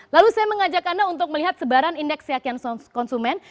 lalu saya mengajak anda untuk melihat sebaran indeks keyakinan konsumen